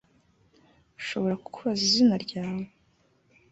Nshobora kukubaza izina ryawe